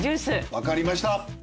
わかりました。